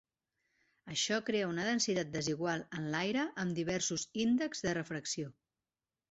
Això crea una densitat desigual en l’aire amb diversos índexs de refracció.